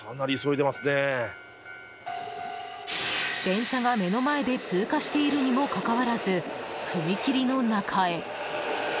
電車が目の前で通過しているにもかかわらず踏切の中へ。